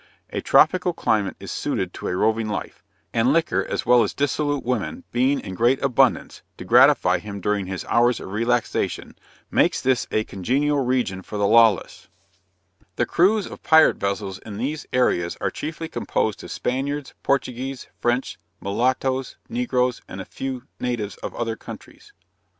A tropical climate is suited to a roving life, and liquor as well as dissolute women being in great abundance, to gratify him during his hours of relaxation, makes this a congenial region for the lawless. [Illustration: A Piratical Vessel destroying a Merchant Ship.] The crews of pirate vessels in these seas are chiefly composed of Spaniards, Portuguese, French, Mulattoes, Negroes, and a few natives of other countries.